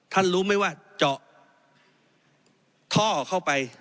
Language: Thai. ท่านรู้ไหมว่าเจาะท่อออกไป